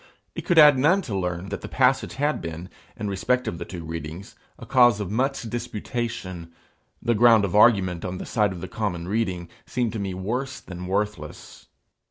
It could add none to learn that the passage had been, in respect of the two readings, a cause of much disputation: the ground of argument on the side of the common reading, seemed to me worse than worthless.